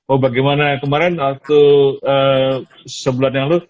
oh bagaimana kemarin waktu sebelumnya lu